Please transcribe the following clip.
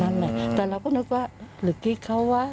อือนั่นไงแต่เราก็นึกว่าลึกกี้เขาว่า